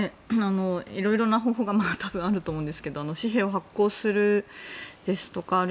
いろいろな方法が多分あると思うんですけど紙幣を発行するですとか